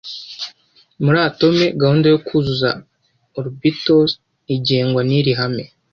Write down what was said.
Muri atome gahunda yo kuzuza orbitals igengwa niri hame